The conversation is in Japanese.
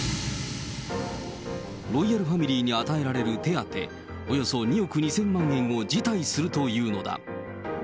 ロイヤルファミリーに与えられる手当、およそ２億２０００万円を辞退するというのだ。